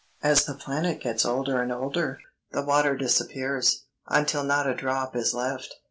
As the planet gets older and older, the water disappears, until not a drop is left.